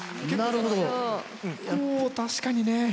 確かにね。